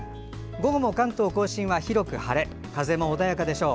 午後も関東・甲信は広く晴れ風は穏やかでしょう。